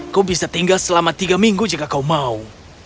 kau bisa tinggal selama tiga minggu jika kau mau